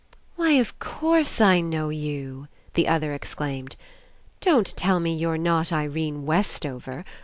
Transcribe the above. "Why, of course, I know you !" the other exclaimed. "Don't tell me you're not Irene Westover.